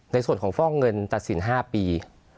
ในส่วนของฟอกเงินตัดสิน๕ปี